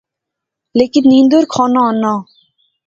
لیکن نیندر کھانا آناں